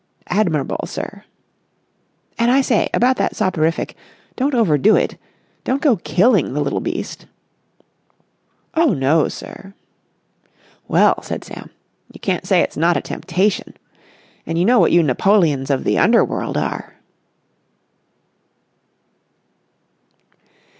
"Admirable, sir." "And, I say, about that soporific.... Don't overdo it. Don't go killing the little beast." "Oh, no, sir." "Well," said Sam, "you can't say it's not a temptation. And you know what you Napoleons of the Underworld are!"